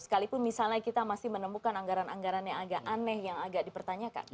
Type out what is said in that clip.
sekalipun misalnya kita masih menemukan anggaran anggaran yang agak aneh yang agak dipertanyakan